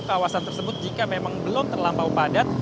kawasan tersebut jika memang belum terlampau padat